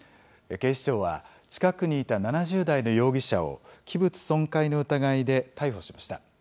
警視庁は、近くにいた７０代の容疑者を器物損壊の疑いで逮捕しました。